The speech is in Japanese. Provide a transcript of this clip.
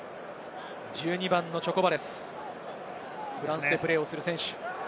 １２番のチョコバレス、フランスでプレーする選手です。